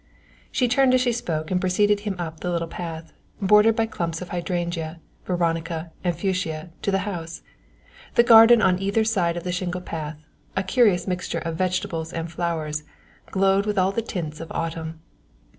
She turned as she spoke and preceded him up the little path, bordered by clumps of hydrangea, veronica and fuchsia, to the house. The garden on either side of the shingle path, a curious mixture of vegetables and flowers, glowed with all the tints of autumn.